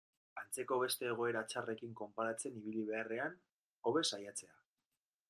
Antzeko beste egoera txarrekin konparatzen ibili beharrean, hobe saiatzea.